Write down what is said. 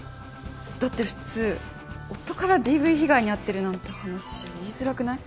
だって普通夫からＤＶ被害に遭ってるなんて話言いづらくない？